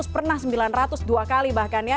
empat ratus pernah sembilan ratus dua kali bahkan ya